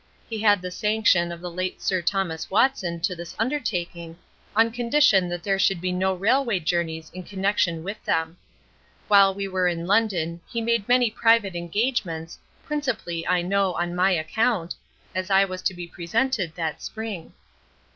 He had the sanction of the late Sir Thomas Watson to this undertaking, on condition that there should be no railway journeys in connection with them. While we were in London he made many private engagements, principally, I know, on my account, as I was to be presented that spring.